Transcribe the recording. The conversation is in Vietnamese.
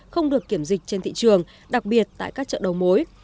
không được kiểm dịch trên thị trường đặc biệt tại các chợ đầu mối